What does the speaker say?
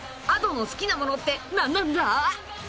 Ａｄｏの好きなものって何なんだ？］